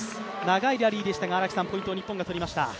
長いラリーでしたがポイントは日本が取りました。